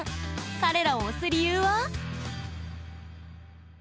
彼らを推す理由は？